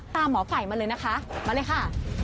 หมอไก่มาเลยนะคะมาเลยค่ะ